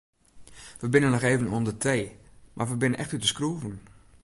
We binne noch even oan de tee mar we binne echt út de skroeven.